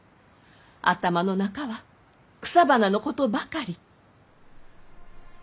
頭の中は草花のことばかり。